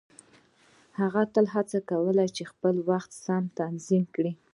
هغه تل هڅه کوي چې خپل وخت سم تنظيم کړي.